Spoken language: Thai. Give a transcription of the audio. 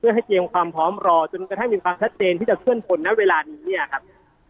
เป็นการเตรียมความพร้อมรอจนสะเดินที่จะเชื่อญปนแล้วเวลานี้เนี่ยครับ